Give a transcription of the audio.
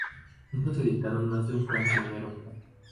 Juntos editaron más de un cancionero.